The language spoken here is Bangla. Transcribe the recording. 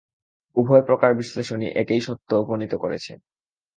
উভয় প্রকার বিশ্লেষণই একই সত্যে উপনীত হইয়াছে।